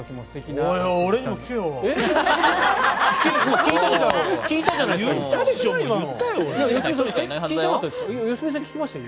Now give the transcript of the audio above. おい、俺にも聞けよ。